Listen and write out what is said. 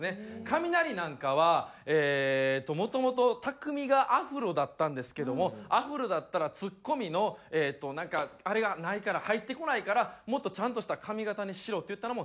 カミナリなんかはえーっともともとたくみがアフロだったんですけどもアフロだったらツッコミのなんかあれがないから入ってこないからもっとちゃんとした髪形にしろって言ったのも永野さん。